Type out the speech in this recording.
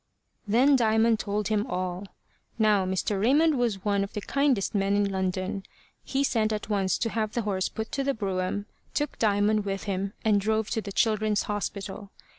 Then Diamond told him all. Now Mr. Raymond was one of the kindest men in London. He sent at once to have the horse put to the brougham, took Diamond with him, and drove to the Children's Hospital.